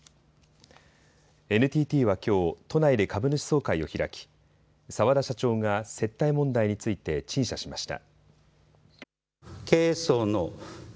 ＮＴＴはきょう、都内で株主総会を開き澤田社長が接待問題について陳謝しました。